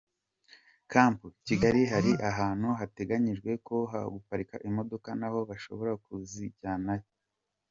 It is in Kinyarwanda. Camp Kigali hari ahantu hateganyijwe ho guparika imodoka na ho bashobora kuzijyanayo.